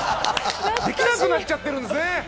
できなくなっちゃってるんですね。